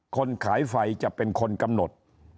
คนขายไฟจะเป็นคนกำหนด